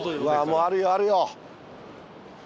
もうあるよあるよ。